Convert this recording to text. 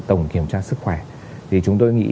tổng kiểm tra sức khỏe thì chúng tôi nghĩ